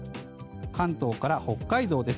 関東から北海道です。